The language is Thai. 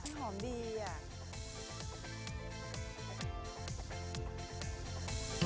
อุ้ยหอมดีอ่ะ